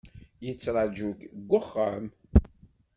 Yettraju-k deg uxxam.